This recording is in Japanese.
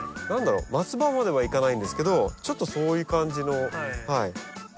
何だろう松葉まではいかないんですけどちょっとそういう感じの。